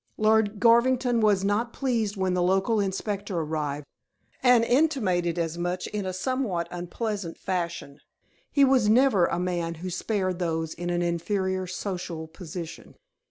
Lord Garvington was not pleased when the local inspector arrived, and intimated as much in a somewhat unpleasant fashion. He was never a man who spared those in an inferior social position.